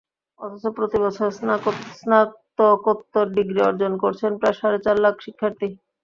অথচ প্রতিবছর স্নাতকোত্তর ডিগ্রি অর্জন করছেন প্রায় সাড়ে চার লাখ শিক্ষার্থী।